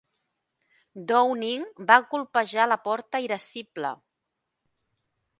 Downing va colpejar la porta irascible.